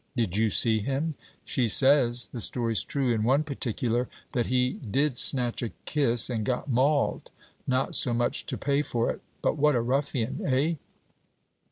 Did you see him? She says, the story's true in one particular, that he did snatch a kiss, and got mauled. Not so much to pay for it! But what a ruffian eh?'